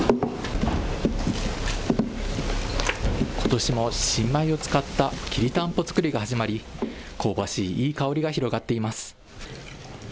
ことしも新米を使った、きりたんぽ作りが始まり、香ばしい、いい香りが広がっています。